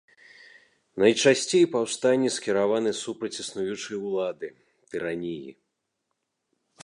Найчасцей паўстанне скіраваны супраць існуючай улады, тыраніі.